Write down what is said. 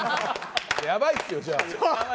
やばいっすよ、じゃあ。